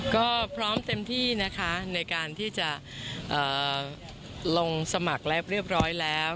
ก็พร้อมเต็มที่นะคะในการที่จะลงสมัครแล้วเรียบร้อยแล้ว